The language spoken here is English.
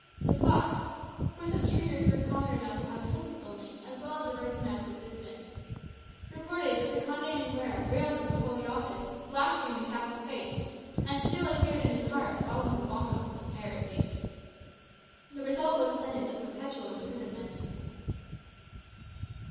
The "fly" (for such traitors were common enough to have a technical name as well as a recognized existence) reported that the Conde de Nuera railed at the Holy Office, blasphemed the Catholic faith, and still adhered in his heart to all his abominable heresies. The result was a sentence of perpetual imprisonment.